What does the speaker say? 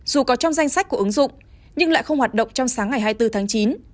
dù có trong danh sách của ứng dụng nhưng lại không hoạt động trong sáng ngày hai mươi bốn tháng chín